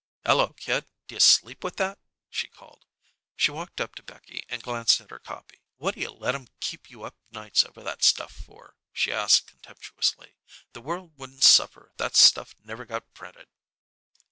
"Hello, kid. Do you sleep with that?" she called. She walked up to Becky and glanced at her copy. "What do you let 'em keep you up nights over that stuff for?" she asked contemptuously. "The world wouldn't suffer if that stuff never got printed."